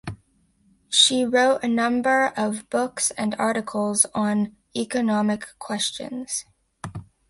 She wrote a number of books and articles on economic questions.